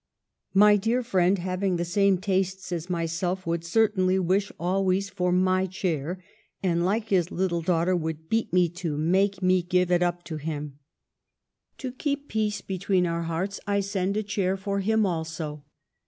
"My dear friend having the same tastes as myself, would certainly wish always for my chair, and, like his little daughter, would beat me to make me give it up to him. To keep peace be tween our hearts, I send a chair for him also.